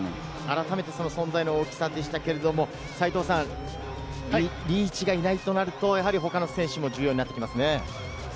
改めての存在の大きさでしたけれど、リーチがいないとなると、他の選手も重要になってきますね。